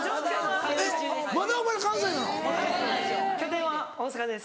拠点は大阪です。